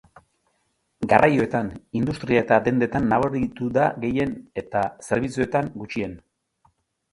Garraioetan, industria eta dendetan nabaritu da gehien eta, zerbitzuetan gutxien.